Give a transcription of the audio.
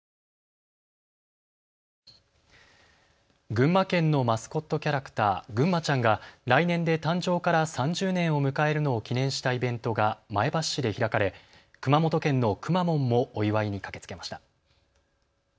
群馬県のマスコットキャラクター、ぐんまちゃんが来年で誕生から３０年を迎えるのを記念したイベントが前橋市で開かれ熊本県のくまモンもお祝いに駆けつけました。